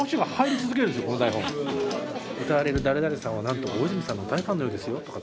歌われる誰々さんはなんと大泉さんの大ファンのようですよとかって。